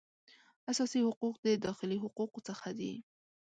اساسي حقوق د داخلي حقوقو څخه دي